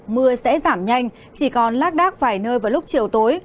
mưa sẽ giảm nhanh chỉ còn lác đác vài nơi vào lúc chiều tối